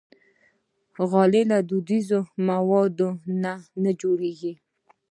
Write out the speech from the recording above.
غالۍ له دودیزو موادو نه جوړېږي.